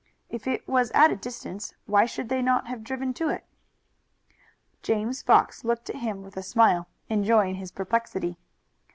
If it was at a distance, why should they not have driven to it? James Fox looked at him with a smile, enjoying his perplexity.